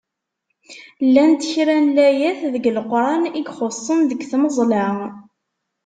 Llant kra n layat deg Leqran i ixuṣṣen deg tmeẓla.